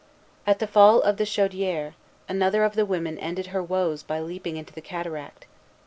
At the Fall of the Chaudière, another of the women ended her woes by leaping into the cataract.